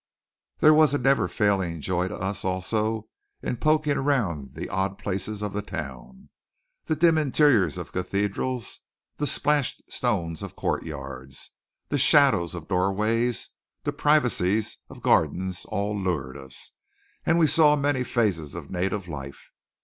There was a never failing joy to us also in poking around the odd places of the town. The dim interiors of cathedrals, the splashed stones of courtyards, the shadows of doorways, the privacies of gardens all lured us; and we saw many phases of native life.